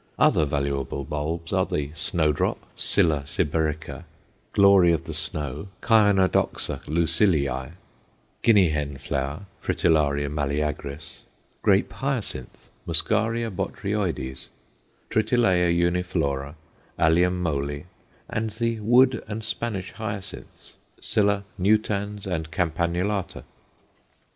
Other valuable bulbs are the snowdrop, Scilla Sibirica, glory of the snow (Chionodoxa Luciliæ), guinea hen flower (Fritillaria Meleagris), grape hyacinth (Muscari botryoides), Triteleia uniflora, Allium Moly, and the wood and Spanish hyacinths (Scilla nutans and campanulata).